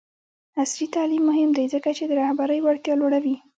عصري تعلیم مهم دی ځکه چې د رهبرۍ وړتیا لوړوي.